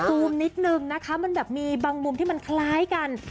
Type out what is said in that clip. ซูมนิดนึงนะคะมันแบบมีบางมุมที่มันคล้ายกัน